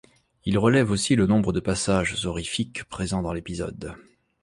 Il relève aussi le nombre de passages horrifiques présent dans l'épisode.